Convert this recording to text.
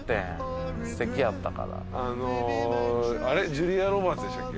ジュリア・ロバーツでしたっけ。